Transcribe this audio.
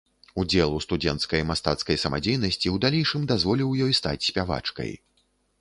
Удзел у студэнцкай мастацкай самадзейнасці ў далейшым дазволіў ёй стаць спявачкай.